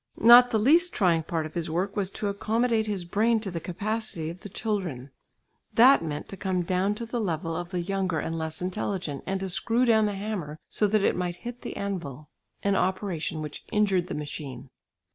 Not the least trying part of his work was to accommodate his brain to the capacity of the children. That meant to come down to the level of the younger and less intelligent, and to screw down the hammer so that it might hit the anvil, an operation which injured the machine.